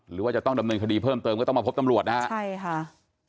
หรือว่าจะต้องดำเนินคดีเพิ่มเติมก็ต้องมาพบตำรวจนะฮะใช่ค่ะ